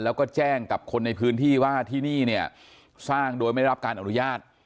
แล้วก็แจ้งกับคนในพื้นที่ว่าที่นี่เนี่ยสร้างโดยไม่ได้รับการอนุญาต